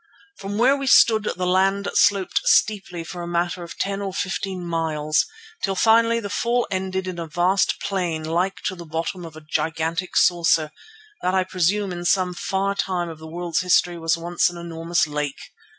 From where we stood the land sloped steeply for a matter of ten or fifteen miles, till finally the fall ended in a vast plain like to the bottom of a gigantic saucer, that I presume in some far time of the world's history was once an enormous lake.